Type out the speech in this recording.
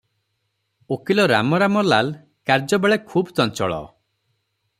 ଓକିଲ ରାମ ରାମ ଲାଲ କାର୍ଯ୍ୟବେଳେ ଖୁବ୍ ଚଞ୍ଚଳ ।